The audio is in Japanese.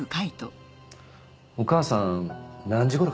お母さん何時ごろ